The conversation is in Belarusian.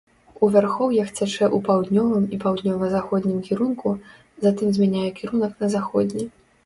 У вярхоўях цячэ ў паўднёвым і паўднёва-заходнім кірунку, затым змяняе кірунак на заходні.